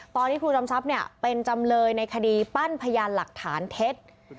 ครูจอมทรัพย์เป็นจำเลยในคดีปั้นพยานหลักฐานเท็จ